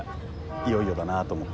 いよいよだなあと思って。